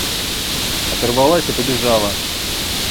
Оторвалась и побежала!